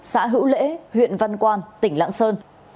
xã hữu lễ huyện văn quan tỉnh lạng sơn